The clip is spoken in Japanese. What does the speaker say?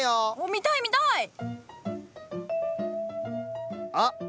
見たい見たい！あっ！